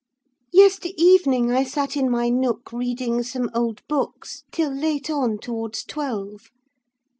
"Yester evening I sat in my nook reading some old books till late on towards twelve.